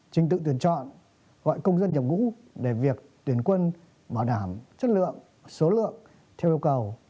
trình tự tuyển chọn gọi công dân nhập ngũ để việc tuyển quân bảo đảm chất lượng số lượng theo yêu cầu